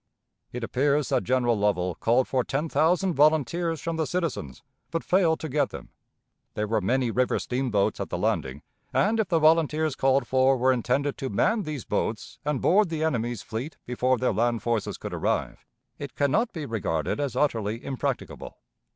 It appears that General Lovell called for ten thousand volunteers from the citizens, but failed to get them. There were many river steamboats at the landing, and, if the volunteers called for were intended to man these boats and board the enemy's fleet before their land forces could arrive, it can not be regarded as utterly impracticable.